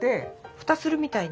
蓋するみたいに？